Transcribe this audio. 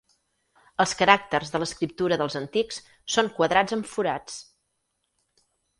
Els caràcters de l'escriptura dels antics són quadrats amb forats.